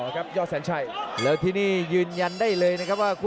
กระโดยสิ้งเล็กนี่ออกกันขาสันเหมือนกันครับ